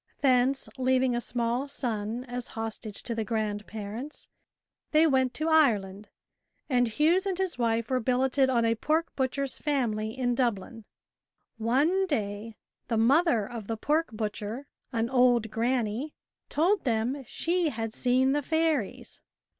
Thence, leaving a small son as hostage to the grandparents, they went to Ireland, and Hughes and his wife were billeted on a pork butcher's family in Dublin. One day, the mother of the pork butcher, an old granny, told them she had seen the fairies.